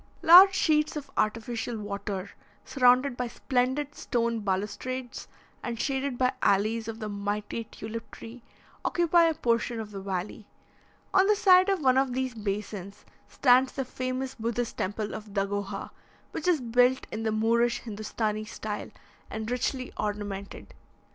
Large sheets of artificial water, surrounded by splendid stone balustrades, and shaded by alleys of the mighty tulip tree, occupy a portion of the valley. On the side of one of these basins, stands the famous Buddhist temple of Dagoha, which is built in the Moorish Hindostanee style, and richly ornamented.